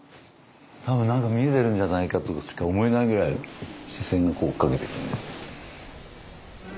多分何か見えているんじゃないかとしか思えないぐらい視線が追っかけてる。